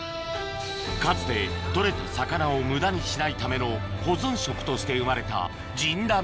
かつて取れた魚を無駄にしないための保存食として生まれたじんだ